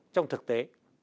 trong thực tế